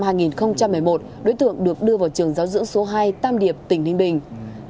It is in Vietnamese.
năm hai nghìn một mươi một đối tượng được đưa vào trường giáo dưỡng số hai tam điệp tỉnh ninh bình